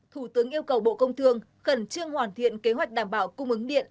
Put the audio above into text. thủ tướng yêu cầu bộ công thương khẩn trương hoàn thiện kế hoạch đảm bảo cung ứng điện